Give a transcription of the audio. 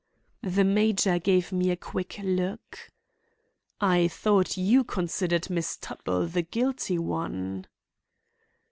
The major gave me a quick look. "I thought you considered Miss Tuttle the guilty one."